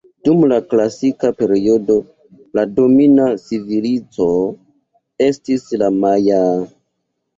Dum la Klasika periodo la domina civilizo estis la Majaa.